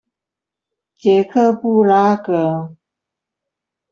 捷克布拉格